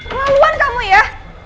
permaluan kamu ya